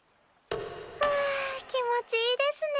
ふぅ気持ちいいですね。